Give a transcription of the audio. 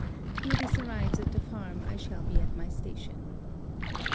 ere this arrives at the farm, I shall be at my station.